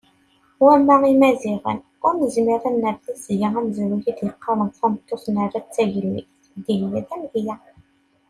Wamma Imaziɣen, ur nezmir ad nerr di tesga amezruy i d-yeqqaren tameṭṭut nerra-tt d tagellidt, Dihya d amedya.